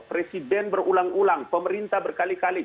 presiden berulang ulang pemerintah berkali kali